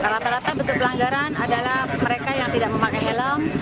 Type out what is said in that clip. rata rata bentuk pelanggaran adalah mereka yang tidak memakai helm